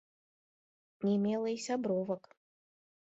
Не мела і сябровак.